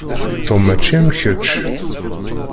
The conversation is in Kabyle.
Tom mačči am kečč.